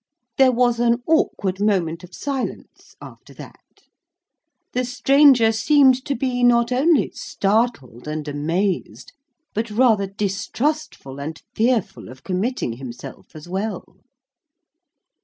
There was an awkward moment of silence, after that. The stranger seemed to be not only startled and amazed, but rather distrustful and fearful of committing himself as well.